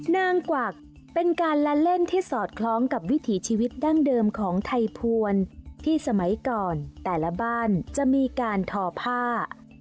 นางกวักเป็นการละเล่นที่สอดคล้องกับวิถีชีวิตดั้งเดิมของไทยภวรที่สมัยก่อนแต่ละบ้านจะมีการทอผ้า